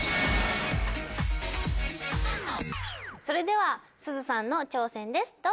それではすずさんの挑戦です。